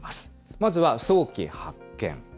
まずは早期発見。